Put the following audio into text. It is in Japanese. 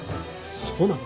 そうなの？